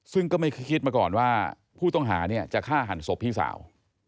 ซึ่งก็ไม่คิดมาก่อนว่าผู้ต้องหาเนี่ยจะฆ่าหันศพพี่สาว